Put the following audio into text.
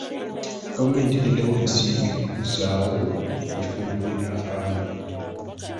Gavumenti etaddewo ensimbi mu kuzzaawo ebifo by'ebyafaayo.